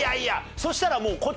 そしたらもう。ねぇ！